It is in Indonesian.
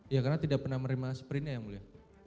ya karena tidak pernah merima sprintnya ya mulia